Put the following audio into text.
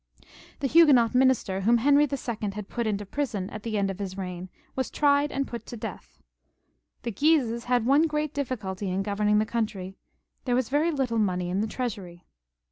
The Huguenot minister whom Henry II. had put into prison at the end of his reign, was tried and put to death. The Guises had one great difficulty in governing the country, there was very little money in the treasury.